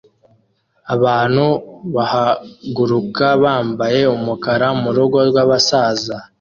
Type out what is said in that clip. abantu bahaguruka bambaye umukara murugo rwabasaza